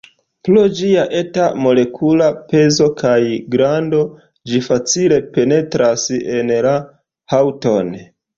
Pro ĝia eta molekula pezo kaj grando, ĝi facile penetras en la haŭton.